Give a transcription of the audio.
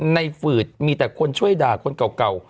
ฝืดมีแต่คนช่วยด่าคนเก่า